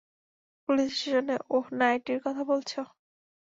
Police স্টেশনে, ওহ নাইটির কথা বলছো!